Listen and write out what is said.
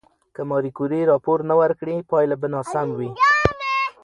که ماري کوري راپور نه ورکړي، پایله به ناسم وي.